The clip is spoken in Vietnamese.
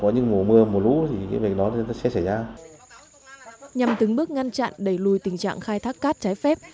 nhằm từng bước ngăn chặn đẩy lùi tình trạng khai thác cát trái phép